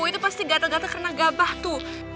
itu pasti gatel gatel karena gabah tuh